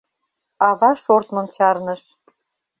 Ава шортмым чарныш.